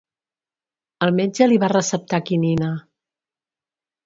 El metge li va receptar quinina.